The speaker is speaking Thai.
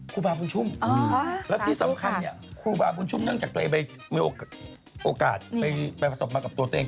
ครูบาบุญชุ่มแล้วที่สำคัญเนี่ยครูบาบุญชุ่มเนื่องจากตัวเองไปมีโอกาสไปประสบมากับตัวเอง